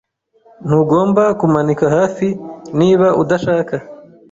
Ntugomba kumanika hafi niba udashaka.